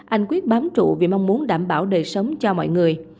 anh quyết bám trụ vì mong muốn đảm bảo đời sống cho mọi người